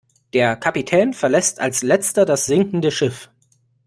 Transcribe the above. Der Kapitän verlässt als Letzter das sinkende Schiff.